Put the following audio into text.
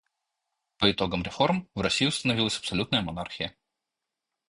По итогам реформ в России установилась абсолютная монархия.